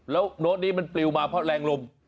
แล้วโน้ตนี้มันปลิวมาเพราะแรงลม